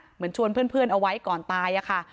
เหมือนชวนเพื่อนเอาไว้ก่อนตายอะค่ะ